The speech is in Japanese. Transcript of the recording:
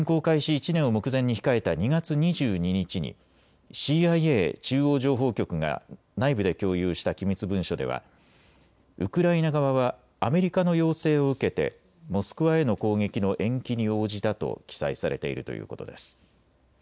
１年を目前に控えた２月２２日にＣＩＡ・中央情報局が内部で共有した機密文書ではウクライナ側はアメリカの要請を受けてモスクワへの攻撃の延期に応じたと記載されているということです。